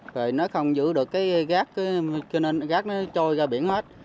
rồi nó không giữ được cái rác cái rác nó trôi ra biển mất